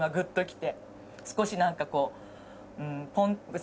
少し何かこう。